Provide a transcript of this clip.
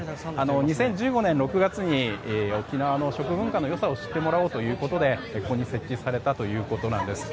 ２０１５年６月に沖縄の食文化の良さを知ってもらおうとここに設置されたということなんです。